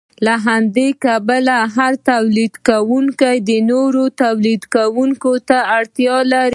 له همدې کبله هر تولیدونکی نورو تولیدونکو ته اړتیا لري